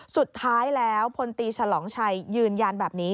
สุดท้ายแล้วพลตีฉลองชัยยืนยันแบบนี้